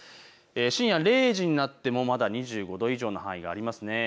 深夜０時になってもまだ２５度以上の範囲がありますね。